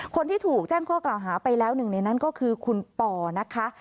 คนที่ถูกแจ้งข้อกล่าวหาไปแล้วหนึ่งในนั้นก็คือคุณปอนะคะ